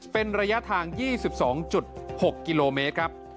เป็นระยะทาง๒๒๖กิโลเมตรครับ